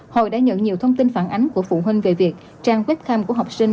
hội đã nhận nhiều thông tin phản ánh của phụ huynh về việc trang webcam của học sinh